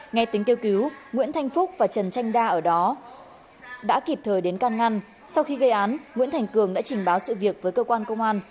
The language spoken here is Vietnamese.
nghe tính kêu cứu nguyễn thanh phúc và trần thanh đa ở đó đã kịp thời đến can ngăn sau khi gây án nguyễn thành cường đã trình báo sự việc với cơ quan công an